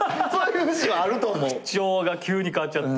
口調が急に変わっちゃって。